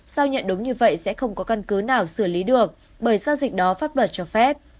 sao nhận đúng như vậy sẽ không có căn cứ nào xử lý được bởi giao dịch đó pháp luật cho phép